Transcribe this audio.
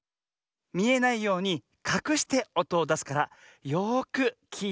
みえないようにかくしておとをだすからよくきいてね。